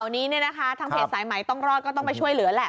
ตอนนี้เนี่ยนะคะทางเพจสายใหม่ต้องรอดก็ต้องไปช่วยเหลือแหละ